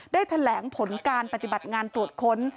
ได้แถลงผลการปฏิบัติงานตรวจค้น